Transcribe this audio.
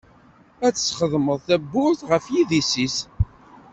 Ad s-txedmeḍ tabburt ɣef yidis-is.